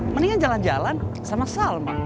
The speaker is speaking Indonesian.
mendingan jalan jalan sama salma